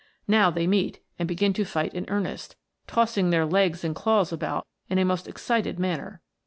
Now they meet, andNa^gin to fight in earnest, tossing their legs and claws about in a most excited manner.